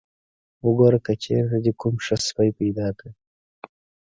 وګوره که چېرته دې کوم ښه سپی پیدا کړ.